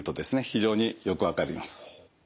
非常によく分かります。